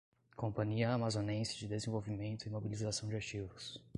Companhia Amazonense de Desenvolvimento e Mobilização de Ativos